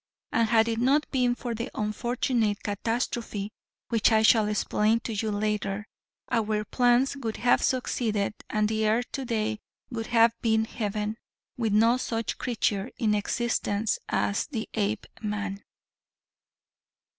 And had it not been for the unfortunate catastrophe which I shall explain to you later, our plans would have succeeded and the earth today would have been heaven with no such creature in existence as the Apeman."